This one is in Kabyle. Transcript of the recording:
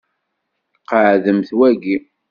Qeɛdemt waki.